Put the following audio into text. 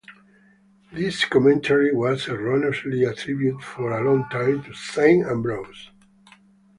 This commentary was erroneously attributed for a long time to Saint Ambrose.